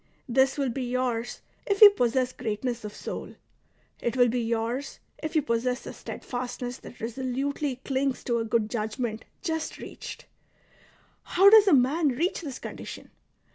This will be yours if you possess greatness of soul ; it will be yours if you possess the steadfastness that resolutely clings to a good judgment just reached. How does a man reach this condition